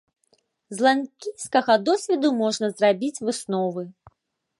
З ланкійскага досведу можна зрабіць высновы.